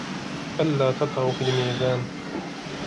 أَلَّا تَطْغَوْا فِي الْمِيزَانِ